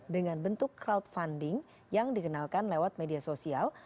dengan bentuk crowdfunding yang dikenalkan lewat media sosial